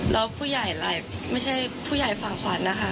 แล้วผู้ใหญ่หลายไม่ใช่ผู้ใหญ่ฝ่าขวัญนะคะ